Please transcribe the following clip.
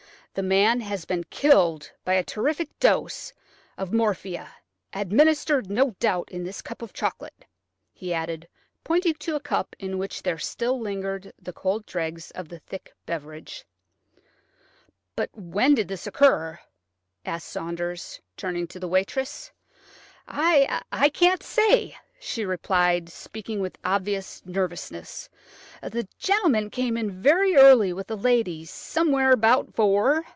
"The man has been killed by a terrific dose of morphia–administered, no doubt, in this cup of chocolate," he added, pointing to a cup in which there still lingered the cold dregs of the thick beverage. "But when did this occur?" asked Saunders, turning to the waitress. "I can't say," she replied, speaking with obvious nervousness. "The gentleman came in very early with a lady, somewhere about four.